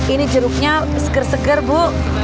ini jeruknya seger seger bu